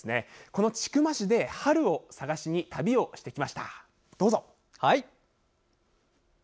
この千曲市で春を探しに旅をしてきました。